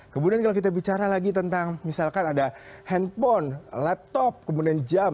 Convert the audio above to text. kemudian kalau kita bicara lagi tentang misalkan ada handphone laptop kemudian jam